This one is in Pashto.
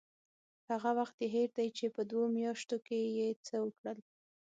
هغه وخت یې هېر دی چې په دوو میاشتو کې یې څه وکړل.